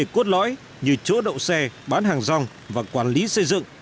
vấn đề cốt lõi như chỗ đậu xe bán hàng rong và quản lý xây dựng